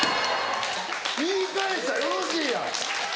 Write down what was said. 言い返したらよろしいやん！